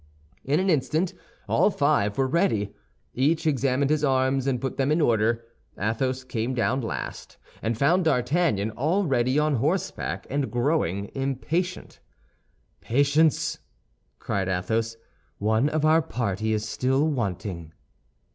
In an instant all five were ready. Each examined his arms, and put them in order. Athos came down last, and found D'Artagnan already on horseback, and growing impatient. "Patience!" cried Athos; "one of our party is still wanting."